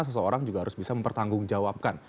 seseorang juga harus bisa mempertanggungjawabkan